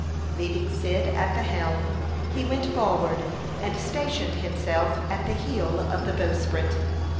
Leaving Cyd at the helm, he went forward and stationed himself at the heel of the bowsprit.